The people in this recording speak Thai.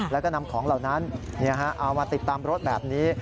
แล้วก็นำของเหล่านั้นเอามาติดตามรถแบบนี้